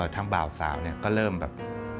ทั้งบ่าวสาวก็เริ่มแบบ